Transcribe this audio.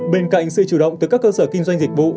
bên cạnh sự chủ động từ các cơ sở kinh doanh dịch vụ